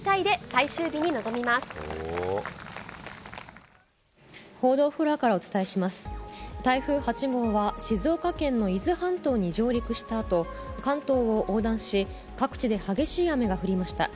台風８号は、静岡県の伊豆半島に上陸したあと、関東を横断し、各地で激しい雨が降りました。